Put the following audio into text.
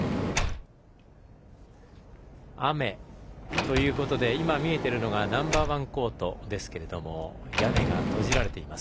雨ということで今、見えているのがナンバーワンコートですが屋根が閉じられています。